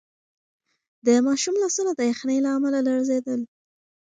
د ماشوم لاسونه د یخنۍ له امله لړزېدل.